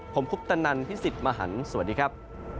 ผมคุปตนันพี่สิทธิ์มหันฯสวัสดีครับ